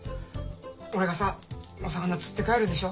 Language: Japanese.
俺がさお魚釣って帰るでしょ。